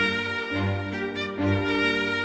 kenapa andin udah tidur sih